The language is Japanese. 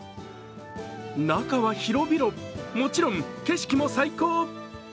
中は広々、もちろん景色も最高！